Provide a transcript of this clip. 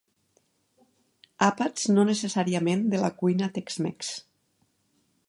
Àpats, no necessàriament de la cuina tex-mex.